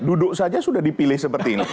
duduk saja sudah dipilih seperti ini